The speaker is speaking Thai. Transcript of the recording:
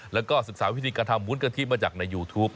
แล้วก็ศึกษาวิธีการทำวุ้นกะทิมาจากในยูทูป